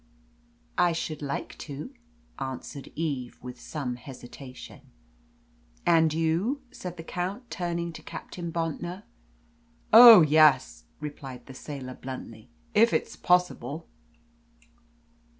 "I should like to," answered Eve, with some hesitation. "And you?" said the Count, turning to Captain Bontnor. "Oh yes," replied that sailor bluntly, "if it's possible."